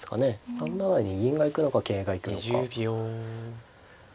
３七に銀が行くのか桂が行くのか。